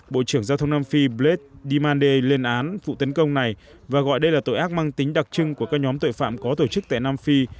bộ trưởng giao thông nam phi bled demande lên án vụ tấn công này và gọi đây là tội ác mang tính đặc trưng của các nhóm tội phạm có tổ chức tại nam phi